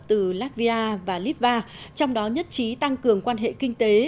từ latvia và litva trong đó nhất trí tăng cường quan hệ kinh tế